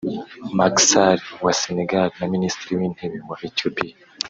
Macky Sall wa Senegal na Minisitiri w’Intebe wa Ethiopia